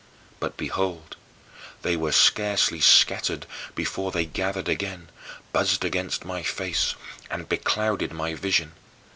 But behold they were scarcely scattered before they gathered again, buzzed against my face, and beclouded my vision.